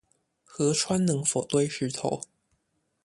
河川能否堆石頭